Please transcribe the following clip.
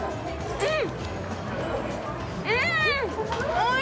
うん！